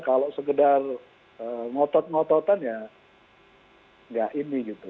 kalau sekedar ngotot ngototan ya nggak ini gitu